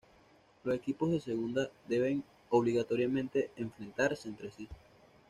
Los equipos de Segunda deben, obligatoriamente, enfrentarse entre sí.